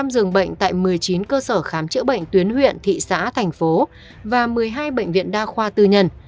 một mươi dường bệnh tại một mươi chín cơ sở khám chữa bệnh tuyến huyện thị xã thành phố và một mươi hai bệnh viện đa khoa tư nhân